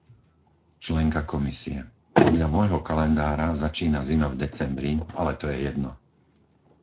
členka Komisie. - Podľa môjho kalendára začína zima v decembri, ale to je jedno.